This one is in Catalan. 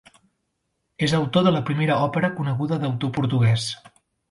És autor de la primera òpera coneguda d'autor portuguès.